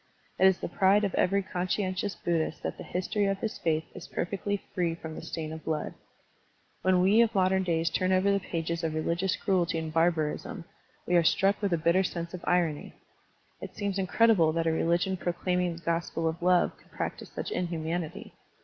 It is the pride of every conscientious Buddhist that the history of his faith is perfectly free from the stain of blood. When we of modem days turn over the pages of religious cruelty and barbarism, we are Digitized by Google THE SUPRA PHENOMENAL II3 struck with a bittet sense of irony. It seems incredible that a religion proclaiming the gospel of love could practise such inhumanity.